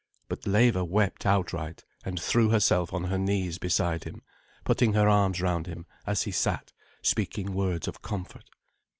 But Leva wept outright, and threw herself on her knees beside him, putting her arms round him as he sat, speaking words of comfort.